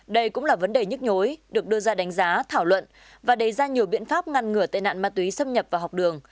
đây cũng là vấn đề nhức nhối được đưa ra đánh giá thảo luận và đề ra nhiều biện pháp ngăn ngừa tệ nạn ma túy xâm nhập vào học đường